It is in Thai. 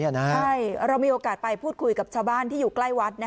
ใช่เรามีโอกาสไปพูดคุยกับชาวบ้านที่อยู่ใกล้วัด